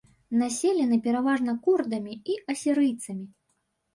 Населены пераважна курдамі і асірыйцамі.